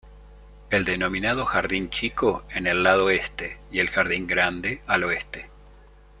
El denominado jardín chico, en el lado este y el jardín grande al oeste.